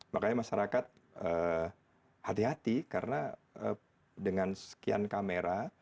makanya masyarakat hati hati karena dengan sekian kamera